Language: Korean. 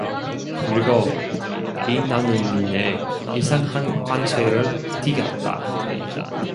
그리고 빛나는 눈에 이상한 광채를 띠었다.